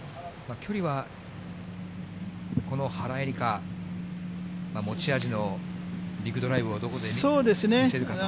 距離は、この原英莉花、持ち味のビッグドライブをどこで見せるかと。